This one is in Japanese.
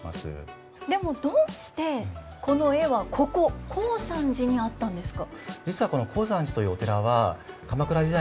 でもどうしてこの絵はここ高山寺にあったんですか？